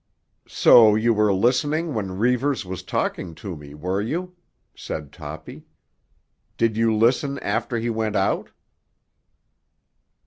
"So you were listening when Reivers was talking to me, were you?" said Toppy. "Did you listen after he went out?"